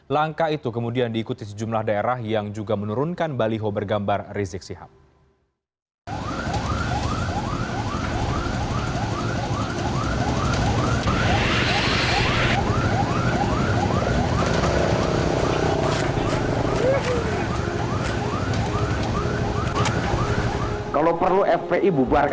langkah itu kemudian diikuti sejumlah daerah yang juga menurunkan baliho bergambar rizik sihab